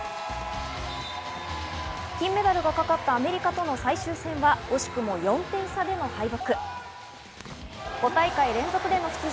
金メダルがかかったアメリカとの最終戦は惜しくも４点差での敗北。